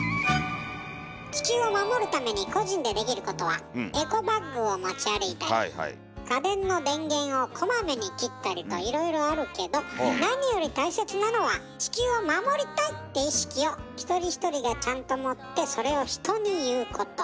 地球を守るために個人でできることはといろいろあるけど何より大切なのは「地球を守りたい」って意識を一人一人がちゃんと持ってそれを人に言うこと。